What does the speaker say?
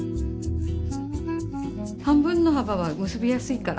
半分の幅は結びやすいから。